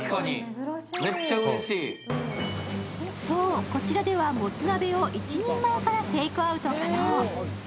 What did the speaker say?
そう、こちらではもつ鍋を一人前からテークアウト可能。